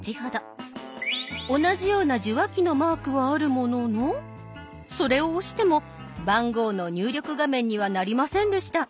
同じような受話器のマークはあるもののそれを押しても番号の入力画面にはなりませんでした。